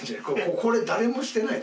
これ誰もしてないで。